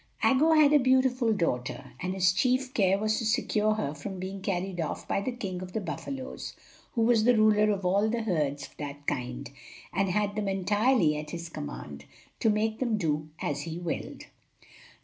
Aggo had a beautiful daughter, and his chief care was to secure her from being carried off by the king of the buffalos, who was the ruler of all the herds of that kind, and had them entirely at his command to make them do as he willed.